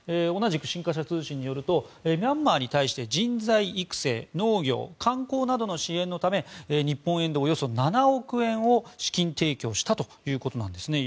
同じく新華社通信によるとミャンマーに対して人材育成、農業、観光などの支援のため日本円でおよそ７億円を資金提供したということなんです。